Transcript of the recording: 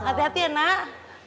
api api ya nak